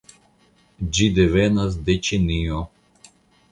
Ĝi devenas de Ĉinio.